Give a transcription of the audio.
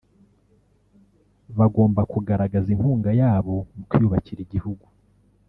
bagomba kugaragaza inkunga yabo mu kwiyubakira igihugu »